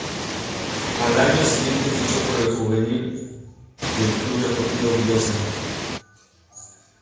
Al año siguiente ficho por el juvenil del Club Deportivo Villosa.